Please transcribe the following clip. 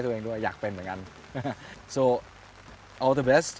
คุณต้องเป็นผู้งาน